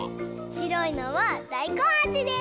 しろいのはだいこんあじです！